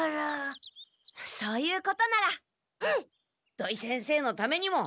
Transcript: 土井先生のためにも！